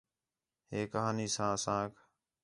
ہِے کہاݨی ساں اسانک